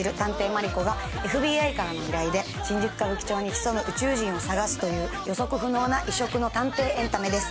マリコがＦＢＩからの依頼で新宿・歌舞伎町に潜む宇宙人を探すという予測不能な異色の探偵エンタメです。